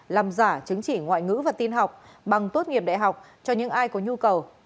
làm giả chứng chỉ ngoại ngữ và tin học bằng tốt nghiệp đại học cho những ai có nhu cầu